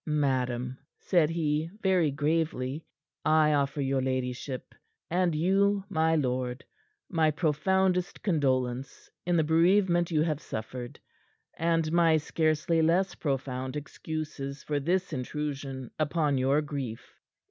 "Madam," said he very gravely, "I offer your ladyship and you, my lord my profoundest condolence in the bereavement you have suffered, and my scarcely less profound excuses for this intrusion upon your grief."